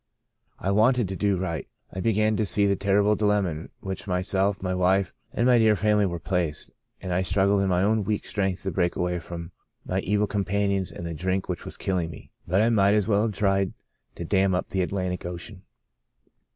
I wanted to do right. I began to see the terrible dilemma in which myself, my wife and my dear family were placed, and I strug gled in my own weak strength to break away from my evil companions and the drink which was killing me, but I might as well have tried to dam up the Atlantic Ocean.